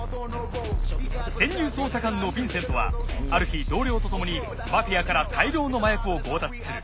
潜入捜査官のビンセントはある日同僚とともにマフィアから大量の麻薬を強奪する。